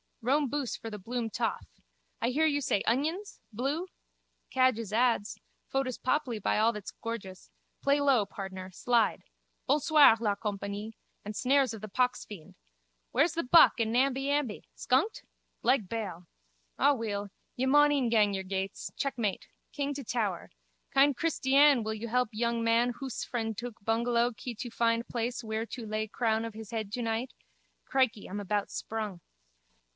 Rome boose for the Bloom toff. I hear you say onions? Bloo? Cadges ads. Photo's papli, by all that's gorgeous. Play low, pardner. Slide. Bonsoir la compagnie. And snares of the poxfiend. Where's the buck and Namby Amby? Skunked? Leg bail. Aweel, ye maun e'en gang yer gates. Checkmate. King to tower. Kind Kristyann wil yu help yung man hoose frend tuk bungellow kee tu find plais whear tu lay crown of his hed 2 night. Crickey, I'm about sprung.